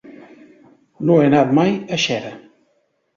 No he anat mai a Xera.